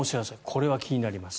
これは気になります。